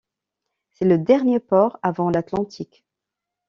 C'est le dernier port avant l'Atlantique.